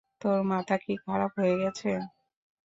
তোর মাথা কি খারাপ হয়ে গেছে?